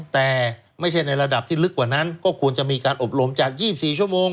แต่ไม่ใช่ในระดับที่ลึกกว่านั้นก็ควรจะมีการอบรมจาก๒๔ชั่วโมง